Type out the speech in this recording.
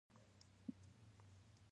د شپې دولس بجې د سبا دولس بجې شوې.